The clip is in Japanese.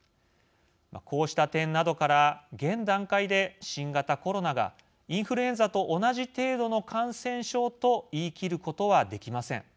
こうした点などから現段階で新型コロナがインフルエンザと同じ程度の感染症と言い切ることはできません。